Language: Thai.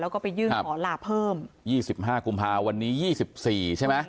แล้วก็ไปยื่นหอลาเพิ่มยี่สิบห้ากุมภาคมวันนี้ยี่สิบสี่ใช่ไหม